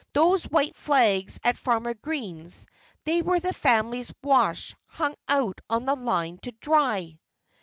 Those white flags at Farmer Green's they were the family wash, hung out on the line to dry!"